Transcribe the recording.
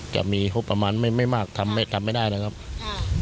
จะมีงบประมาณไม่ไม่มากทำไม่ทำไม่ได้นะครับค่ะ